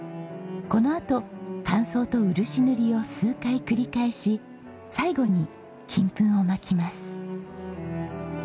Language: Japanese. このあと乾燥と漆塗りを数回繰り返し最後に金粉を蒔きます。